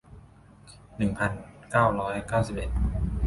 หนึ่งพันเก้าร้อยเก้าสิบเอ็ด